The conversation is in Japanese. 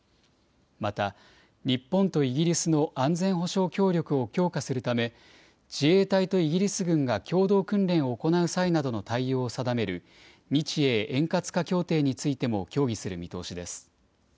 また日本とイギリスの安全保障協力を強化するため、自衛隊とイギリス軍が共同訓練を行う際などの対応を定める、日英円滑化協定についても協議する見通しです。